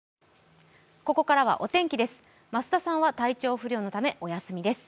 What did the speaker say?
ここからはお天気です。